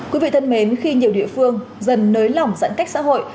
quý vị thân mến khi nhiều địa phương dần nới lỏng giãn cách xã hội